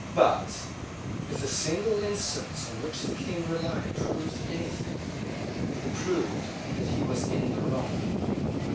But, if the single instance on which the King relied proved anything, it proved that he was in the wrong.